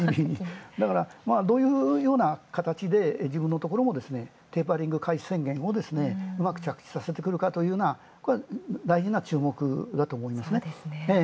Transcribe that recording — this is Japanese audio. だから、どういうような形で自分のところもテーパリングをうまく着地してくるか大事な注目だと思いますね。